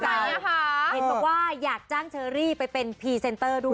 เห็นบอกว่าอยากจ้างเชอรี่ไปเป็นพรีเซนเตอร์ด้วย